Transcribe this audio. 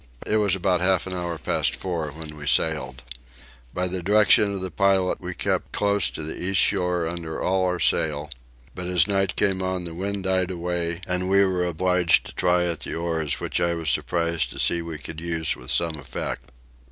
It was about half an hour past four when we sailed. By direction of the pilot we kept close to the east shore under all our sail; but as night came on the wind died away and we were obliged to try at the oars which I was surprised to see we could use with some effect.